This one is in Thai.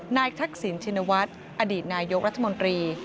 ทักษิณชินวัฒน์อดีตนายกรัฐมนตรี